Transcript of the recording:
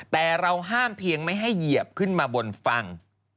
แต่เราห้ามเพียงไม่ให้เหยียบขึ้นมาบนฝั่ง